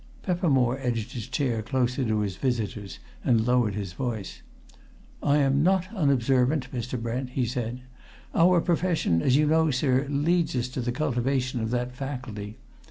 Peppermore edged his chair closer to his visitor's, and lowered his voice. "I am not unobservant, Mr. Brent," he said. "Our profession, as you know, sir, leads us to the cultivation of that faculty.